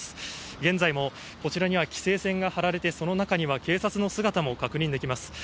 現在もこちらには規制線が張られて、その中には警察の姿も確認できます。